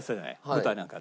舞台なんか。